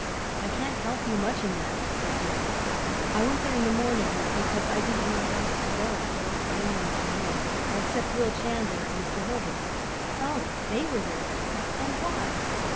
"I can't help you much in that," said Toby. "I went there in the morning, because I didn't know where else to go; but no one came in except Will Chandler and Mr. Holbrook." "Oh; they were there, then. And why?"